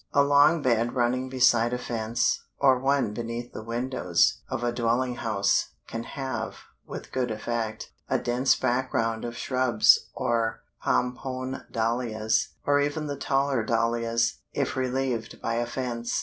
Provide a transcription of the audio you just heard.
A long bed running beside a fence, or one beneath the windows of a dwelling house, can have, with good effect, a dense background of shrubs or Pompone Dahlias, or even the taller Dahlias, if relieved by a fence.